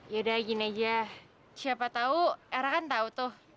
yaudah gini aja siapa tahu era kan tahu tuh